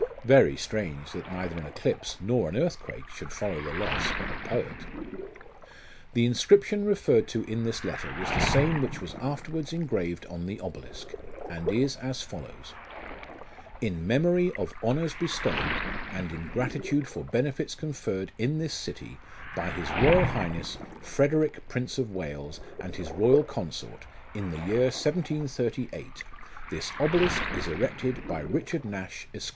" Very strange, that neither an eclipse nor an earthquake should follow the loss of a poet ! The inscription referred to in this letter was the same which was afterwards engraved on the obelisk, and is as follows : "In memory of honours bestowed, and in gratitude for benefits conferred in this city, by his Royal Highness Frederick, Prince of Wales, and his Royal Consort, in the year 1738, this Obelisk is erected by Richard Nash, Esq."